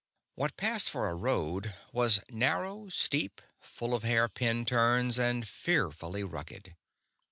What passed for a road was narrow, steep, full of hair pin turns, and fearfully rugged.